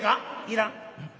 「いらん。